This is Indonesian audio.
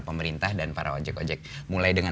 pemerintah dan para ojek ojek mulai dengan